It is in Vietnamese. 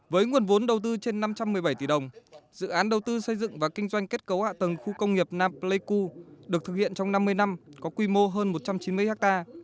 với nguồn vốn đầu tư trên năm trăm một mươi bảy tỷ đồng dự án đầu tư xây dựng và kinh doanh kết cấu hạ tầng khu công nghiệp nam pleiku được thực hiện trong năm mươi năm có quy mô hơn một trăm chín mươi ha